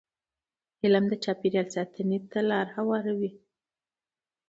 علم د چاپېریال ساتنې ته لاره هواروي.